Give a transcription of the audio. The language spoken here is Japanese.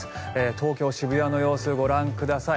東京・渋谷の様子をご覧ください。